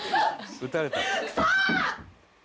「撃たれた」